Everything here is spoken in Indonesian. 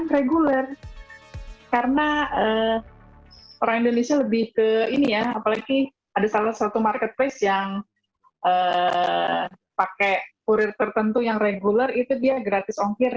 reguler karena orang indonesia lebih ke ini ya apalagi ada salah satu marketplace yang pakai kurir tertentu yang reguler itu dia gratis ongkir